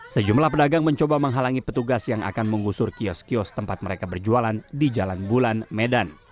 sejumlah pedagang mencoba menghalangi petugas yang akan mengusur kios kios tempat mereka berjualan di jalan bulan medan